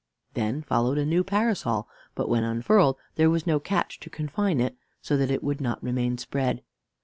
Then followed a new parasol; but when unfurled there was no catch to confine it, so that it would not remain spread.